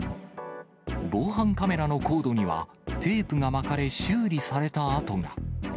防犯カメラのコードには、テープが巻かれ修理された跡が。